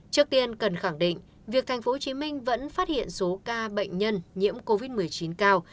trước tiên cần khẳng định việc tp hcm vẫn phát hiện số ca bệnh nhân nhiễm covid một mươi chín cao